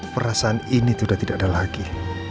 perasaan ini sudah tidak ada lagi